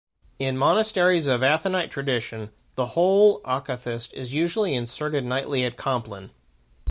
In monasteries of Athonite tradition, the whole Akathist is usually inserted nightly at Compline.